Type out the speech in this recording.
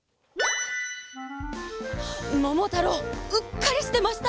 ももたろううっかりしてました。